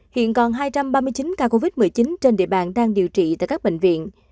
hiện còn hai trăm ba mươi chín ca covid một mươi chín trên địa bàn đang điều trị tại các bệnh viện